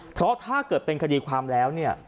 เพราะถ้าเกิดเป็นคดีความแล้วเนี่ย